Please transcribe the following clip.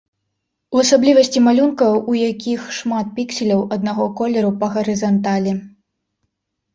У асаблівасці малюнка, у якіх шмат пікселяў аднаго колеру па гарызанталі.